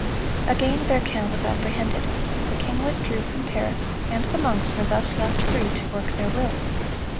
(324) Again Berquin was apprehended. The king withdrew from Paris, and the monks were thus left free to work their will.